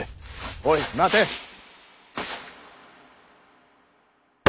おい待てッ！！